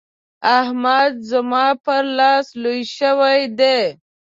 احمد زما پر لاس لوی شوی دی.